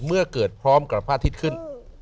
เมื่อเกิดพร้อมกับพระอาทิตย์ขึ้น